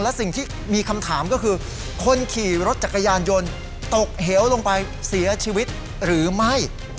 และสิ่งที่มีคำถามก็คือคนขี่รถจักรยานยนต์ตกเหวลงไปเสียชีวิตหรือไม่